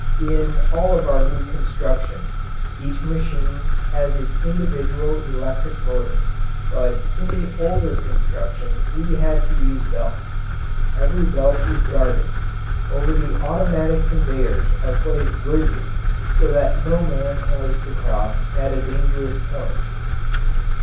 In all of our new construction, each machine has its individual electric motor, but in the older construction we had to use belts. Every belt is guarded. Over the automatic conveyors are placed bridges so that no man has to cross at a dangerous point.